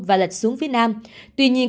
và lệch xuống phía nam tuy nhiên